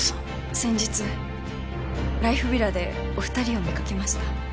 先日ライフヴィラでお二人を見かけました